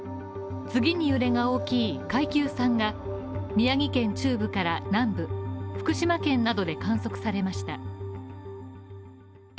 次に揺れが大きい階級３が宮城県中部から南部、福島県などで観測されました。